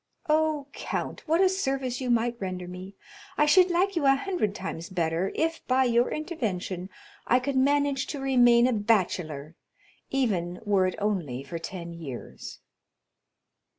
"Oh, count, what a service you might render me! I should like you a hundred times better if, by your intervention, I could manage to remain a bachelor, even were it only for ten years."